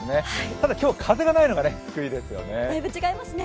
ただ今日は風がないのが救いですね。